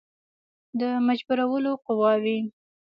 د مجبورولو قواوي.